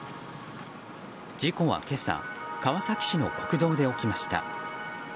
事故は今朝川崎市の国道で起きました。